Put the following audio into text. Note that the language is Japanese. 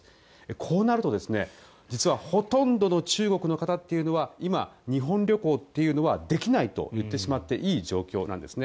こうなると、実はほとんどの中国の方というのは今、日本旅行というのはできないと言ってしまっていい状況なんですね。